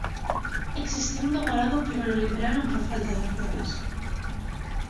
Existió un demorado pero lo liberaron por falta de pruebas.